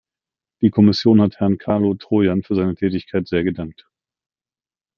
Die Kommission hat Herrn Carlo Trojan für seine Tätigkeit sehr gedankt.